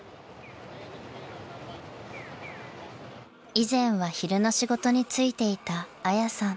［以前は昼の仕事に就いていたあやさん］